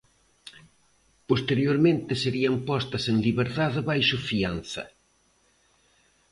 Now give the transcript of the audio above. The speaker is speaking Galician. Porteriormente serían postas en liberdade baixo fianza.